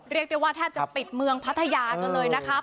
เรียกได้ว่าแทบจะปิดเมืองพัทยากันเลยนะคะ